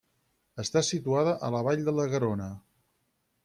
Està situada a la vall de la Garona.